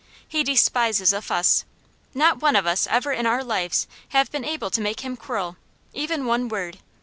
He despises a fuss. Not one of us ever in our lives have been able to make him quarrel, even one word.